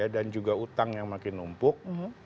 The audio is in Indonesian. dan juga utang yang makin numpuk